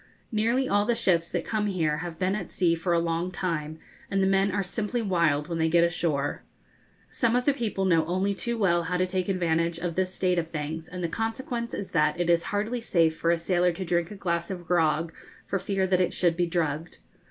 Nearly all the ships that come here have been at sea for a long time, and the men are simply wild when they get ashore. Some of the people know only too well how to take advantage of this state of things, and the consequence is that it is hardly safe for a sailor to drink a glass of grog, for fear that it should be drugged.